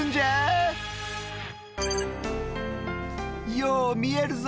よう見えるぞ。